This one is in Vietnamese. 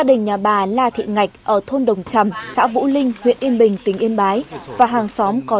gia đình nhà bà la thị ngạch ở thôn đồng trầm xã vũ linh huyện yên bình tỉnh yên bái và hàng xóm có